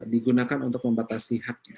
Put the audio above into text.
digunakan untuk membatasi haknya